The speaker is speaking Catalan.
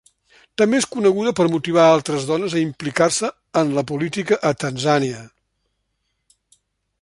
També és coneguda per motivar altres dones a implicar-se en la política a Tanzània.